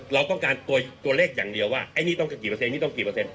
เราต้องการตัวเลขอย่างเดียวว่าไอ้นี่ต้องกี่เปอร์เซ็นนี่ต้องกี่เปอร์เซ็น